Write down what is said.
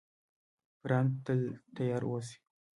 پړانګ تل تیار اوسي.